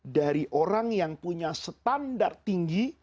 dari orang yang punya standar tinggi